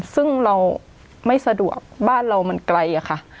ซึ่งเราไม่สะดวกบ้านเรามันไกลอะค่ะ